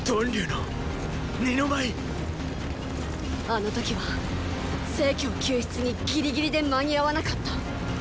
あの時は成救出にギリギリで間に合わなかった。